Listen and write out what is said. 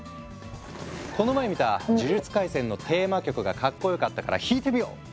この前見た「呪術廻戦」のテーマ曲がかっこよかったから弾いてみよう！